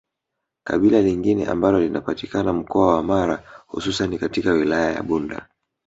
Kabila lingine ambalo linapatikana mkoa wa Mara hususani katika wilaya ya Bunda